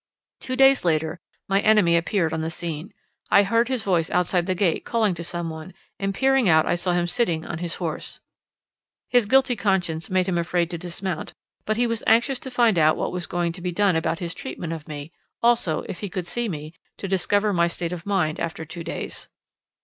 Two days later my enemy appeared on the scene. I heard his voice outside the gate calling to some one, and peering out I saw him sitting on his horse. His guilty conscience made him afraid to dismount, but he was anxious to find out what was going to be done about his treatment of me, also, if he could see me, to discover my state of mind after two days.